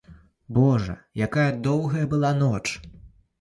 Божа, якая доўгая была ноч!